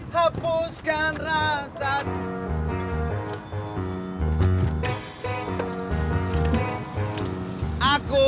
hapuskan rasa cintaku